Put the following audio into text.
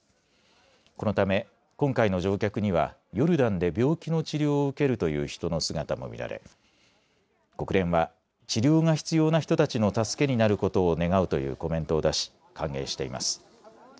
このため今回の乗客にはヨルダンで病気の治療を受けるという人の姿も見られ国連は治療が必要な人たちの助けになることを願うというコメントを出し歓迎しています。